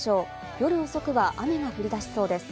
夜遅くは雨が降り出しそうです。